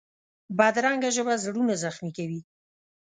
بدرنګه ژبه زړونه زخمي کوي